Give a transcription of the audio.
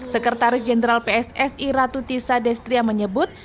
sekretaris jenderal pssi ratu tisa destria menyebut